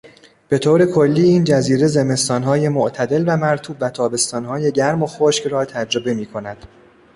به طور کلی ، این جزیره زمستان های معتدل و مرطوب و تابستان های گرم و خشک را تجربه می کند.